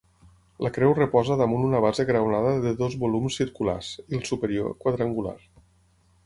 La creu reposa damunt una base graonada de dos volums circulars i el superior, quadrangular.